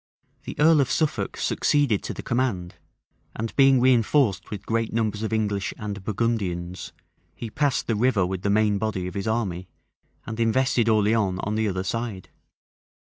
The earl of Suffolk succeeded to the command; and being reënforced with great numbers of English and Burgundians, he passed the river with the main body of his army, and invested Orleans on the other side.